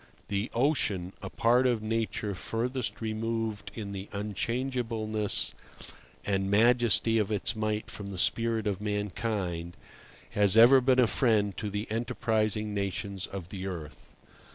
The ocean, a part of Nature furthest removed in the unchangeableness and majesty of its might from the spirit of mankind, has ever been a friend to the enterprising nations of the earth.